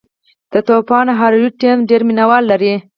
د طوفان هریرود ټیم ډېر مینه وال لري.